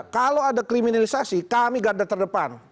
kalau ada kriminalisasi kami ganda terdepan